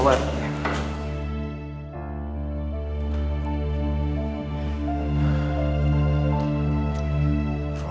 terima kasih pak